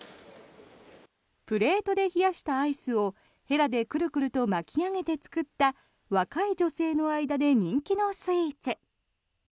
プレートで冷やしたアイスをヘラでクルクルと巻き上げて作った若い女性の間で人気のスイーツ。